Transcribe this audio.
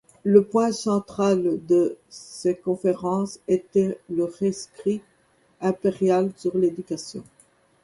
Le point central de ses conférences était le Rescrit impérial sur l'éducation.